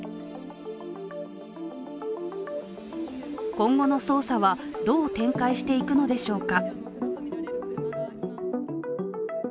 今後の捜査はどう展開していくのでしょうか。